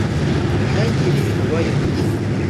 ntihagire ubayobya